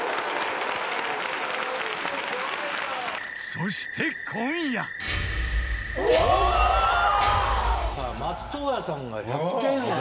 ［そして今夜］さあ松任谷さんが１００点。